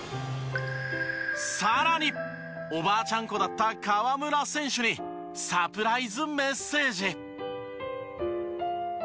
さらにおばあちゃん子だった河村選手にサプライズメッセージ。